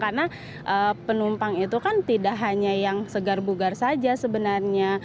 karena penumpang itu kan tidak hanya yang segar bugar saja sebenarnya